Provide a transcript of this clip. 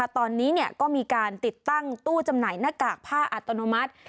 ตอนนี้ก็มีการติดตั้งตู้จำหน่ายหน้ากากผ้าอัตโนมัติ